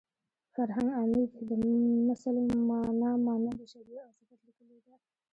فرهنګ عمید د مثل مانا مانند شبیه او صفت لیکلې ده